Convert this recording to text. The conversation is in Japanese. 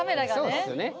そうですよね